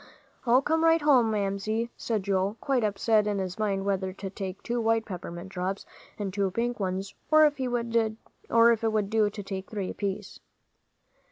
"I'll come right home, Mamsie," said Joel, quite upset in his mind whether to take two white peppermint drops and two pink ones, or if it would do to take three apiece.